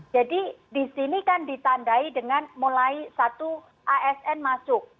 jadi di sini kan ditandai dengan mulai satu asn masuk